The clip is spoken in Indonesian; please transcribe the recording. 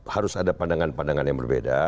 harus ada pandangan pandangan yang berbeda